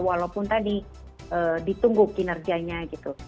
walaupun tadi ditunggu kinerjanya gitu